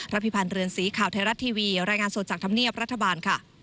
พิพันธ์เรือนสีข่าวไทยรัฐทีวีรายงานสดจากธรรมเนียบรัฐบาลค่ะ